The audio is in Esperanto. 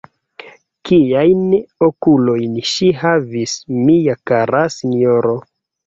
Kiajn okulojn ŝi havis, mia kara sinjoro!